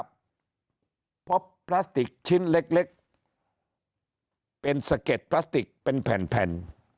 เธอบอกว่าเพราะพลาสติกชิ้นเล็กเป็นสะเก็ดพลาสติกเป็นแผ่น